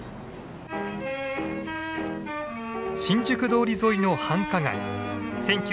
新宿通り沿いの繁華街。